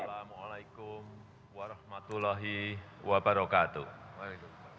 assalamu'alaikum warahmatullahi wabarakatuh